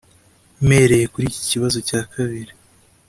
Mpereye kuri iki kibazo cya kabiri